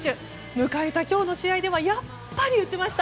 迎えた今日の試合ではやっぱり打ちました。